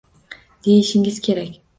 Deyishingiz kerak